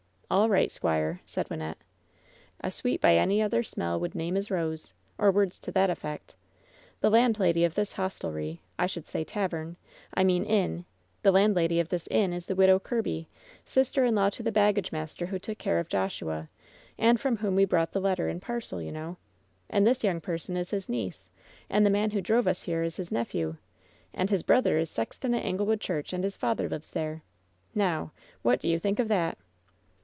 "All right, squire," said Wynnette. " ^A sweet by any other smell would name as rose,' or words to that effect. The landlady of this hostelry — I should say tavern — I mean inn — ^the landlady of this inn is the Widow Kirby, sister in law to the baggage master who took care of Joshua, and from whom we brought the letter and parcel, you know. And this young person is his niece, and the man who drove us here is his nephew. And his brother is sexton at Angle wood Church, and his father lives there. Now I What do you think of that